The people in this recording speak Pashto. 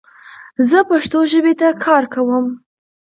زه پښتو ژبې ته کار کوم